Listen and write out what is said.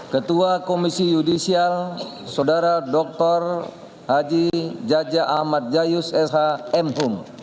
ketua komisi yudisial saudara jaya jaya shmh